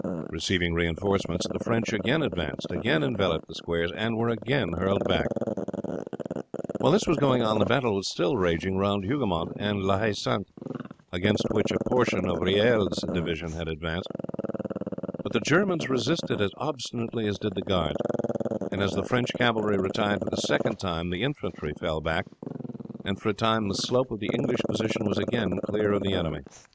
Receiving reinforcements the French again advanced, again enveloped the squares, and were again hurled back. While this was going on the battle was still raging round Hougoumont and La Haye Sainte, against which a portion of Reille's division had advanced; but the Germans resisted as obstinately as did the guards, and as the French cavalry retired for the second time the infantry fell back, and for a time the slope of the English position was again clear of the enemy.